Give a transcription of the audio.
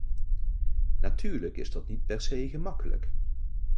Natuurlijk is dat niet per se gemakkelijk.